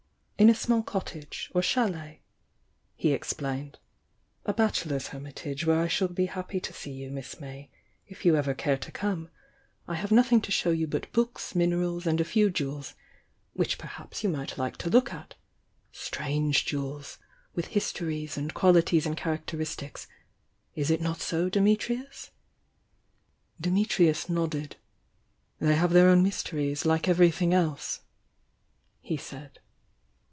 "In a small cottage, or chalet," — he explained — "A bachelor's hermitage where I shall be happy to •see you. Miss May, if you ever care to come. I have THE YOUNG DIANA 157 nothing to show you but books, minerals and a few jewels — which perhaps you might like to look at. Strange jewels! — with histories and qualities and characteristics — is it not so, Dimitrius?" Dimitrius nodded. "They have their own mysteries, like everything else," he said.